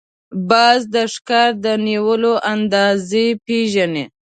باز د ښکار د نیولو اندازې پېژني